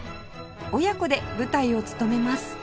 親子で舞台を務めます